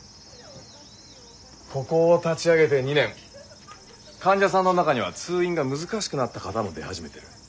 ここを立ち上げて２年患者さんの中には通院が難しくなった方も出始めてる。